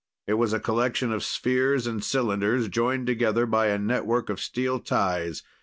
It was a collection of spheres and cylinders, joined together by a network of steel ties.